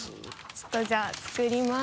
ちょっとじゃあ作ります。